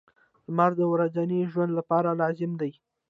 • لمر د ورځني ژوند لپاره لازمي دی.